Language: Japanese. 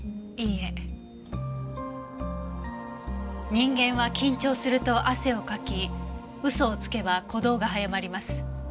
人間は緊張すると汗をかき嘘をつけば鼓動が早まります。